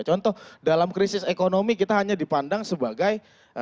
contoh dalam krisis ekonomi kita hanya dipandang sebagai